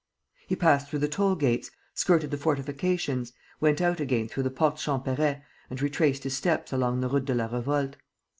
He passed through the toll gates, skirted the fortifications, went out again through the Porte Champerret and retraced his steps along the Route de la Revolte.